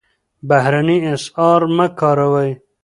بهرني اسعار مه کاروئ.